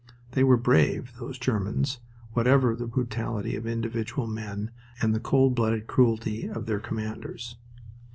They were brave, those Germans, whatever the brutality of individual men and the cold blooded cruelty of their commanders.